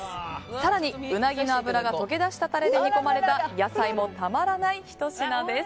更に、うなぎの脂が溶け出したタレで煮込まれた野菜もたまらないひと品です。